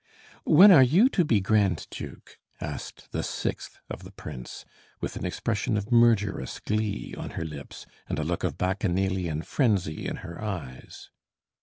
"When are you to be grand duke?" asked the sixth of the prince, with an expression of murderous glee on her lips and a look of Bacchanalian frenzy in her eyes.